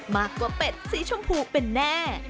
มากกว่าเป็ดสีชมพูเป็นแน่